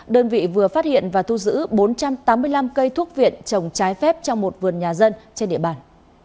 đơn vị vừa phát hiện và thu giữ bốn trăm tám mươi năm cây thuốc viện trồng trái phép trong một vườn nhà dân trên địa bàn